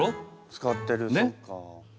使ってるそっか。